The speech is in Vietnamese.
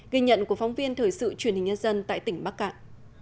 ghi nhận của phóng viên thời sự truyền hình nhân dân tại tỉnh bắc cạn